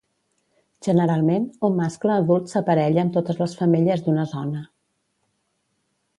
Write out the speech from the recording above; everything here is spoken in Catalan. Generalment, un mascle adult s'aparella amb totes les femelles d'una zona.